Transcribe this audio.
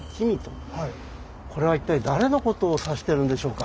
これは一体誰のことを指してるんでしょうか。